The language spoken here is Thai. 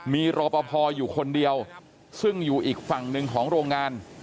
มีรอปภอยู่คนเดียวซึ่งอยู่อีกฝั่งหนึ่งของโรงงาน